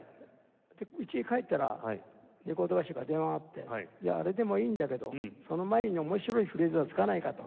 でうちへ帰ったらレコード会社から電話があって「いやあれでもいいんだけどその前に面白いフレーズは付かないか？」と。